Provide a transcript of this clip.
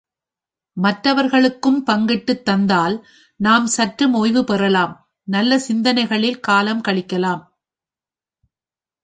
மற்றவர்களுக்கும் பங்கிட்டுத் தந்தால் நாம் சற்று ஓய்வு பெறலாம் நல்ல சிந்தனைகளில் காலம் கழிக்கலாம்.